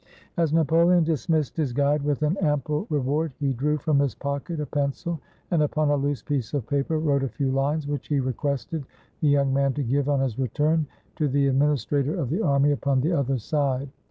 As Napoleon dismissed his guide with an ample re ward, he drew from his pocket a pencil, and upon a loose piece of paper wrote a few lines, which he requested the young man to give, on his return, to the Adminis trator of the Army upon the other side.